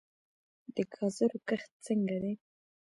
د ګازرو کښت څنګه دی؟